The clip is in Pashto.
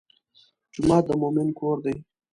جومات د مؤمن کور دی.